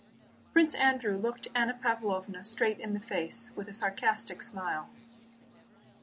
Prince Andrew looked Anna Pávlovna straight in the face with a sarcastic smile.